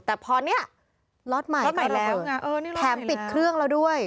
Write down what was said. แต่พอเนี่ยล็อตใหม่แล้วแถมปิดเครื่องแล้วด้วย